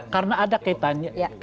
karena ada kaitannya